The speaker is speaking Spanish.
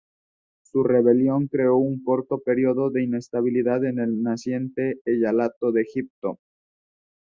Su rebelión creó un corto período de inestabilidad en el naciente Eyalato de Egipto.